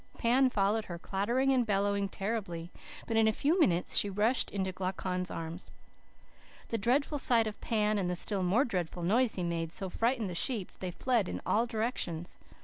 Pan followed her, clattering and bellowing terribly, but in a few minutes she rushed into Glaucon's arms. "The dreadful sight of Pan and the still more dreadful noise he made, so frightened the sheep that they fled in all directions.